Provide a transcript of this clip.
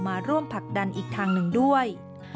มาร่วมผลักดันอีกทางหนึ่งด้วย